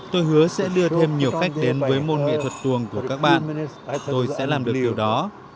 tôi hứa sẽ đưa thêm nhiều khách đến với môn nghệ thuật tuồng của các bạn tôi sẽ làm được điều đó